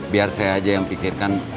biar saya aja yang pikirkan